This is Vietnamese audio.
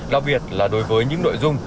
đặc biệt là đối với những nội dung